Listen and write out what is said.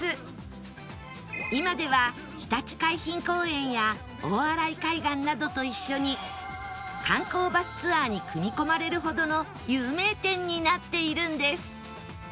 今ではひたち海浜公園や大洗海岸などと一緒に観光バスツアーに組み込まれるほどの有名店になっているんです